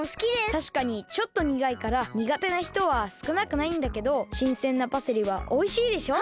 たしかにちょっとにがいからにがてなひとはすくなくないんだけどしんせんなパセリはおいしいでしょ？